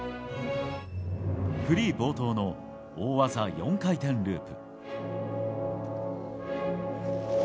フリー冒頭の大技４回転ループ。